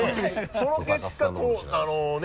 その結果あのね。